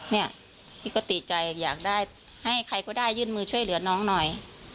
เนี่ยพี่ก็ติดใจอยากได้ให้ใครก็ได้ยื่นมือช่วยเหลือน้องหน่อย